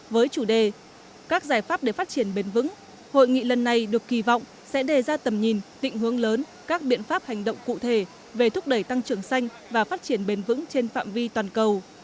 với chủ đề các giải pháp để phát triển bền vững hội nghị lần này được kỳ vọng sẽ đề ra tầm nhìn tịnh hướng lớn các biện pháp hành động cụ thể về thúc đẩy tăng trưởng xanh và phát triển bền vững trên phạm vi toàn cầu